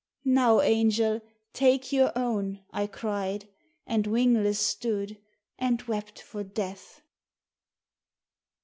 "Now, angel, take your own," I cried, and wingless stood, and wept for Death